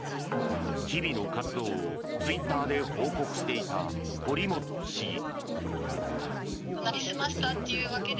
日々の活動をツイッターで報告していた堀本市議。